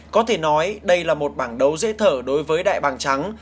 có thể nói đây là một bảng đấu dễ thở đối với đại bằng trắng